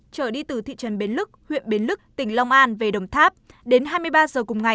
trở đi từ thị trấn bến lức huyện bến lức tỉnh long an về đồng tháp đến hai mươi ba giờ cùng ngày